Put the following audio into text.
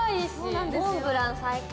モンブラン最高。